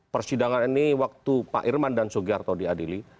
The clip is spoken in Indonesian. persidangan ini waktu pak irman dan sugiharto diadili